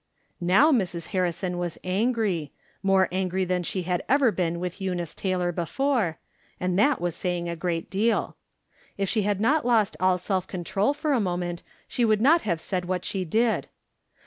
" Now Mrs. Harrison was angry — more angry than she had ever been with Eunice Taylor be fore, and that was saying a great deal. If she had not lost all self control for a moment she would not have said what she did.